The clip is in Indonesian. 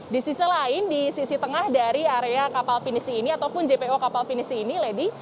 di sisi lain di sisi tengah dari area kapal pinisi ini ataupun jpo kapal pinisi ini lady